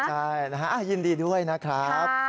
ใช่ยินดีด้วยนะครับ